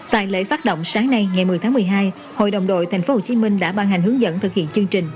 tại lễ phát động sáng nay ngày một mươi tháng một mươi hai hội đồng đội thành phố hồ chí minh đã ban hành hướng dẫn thực hiện chương trình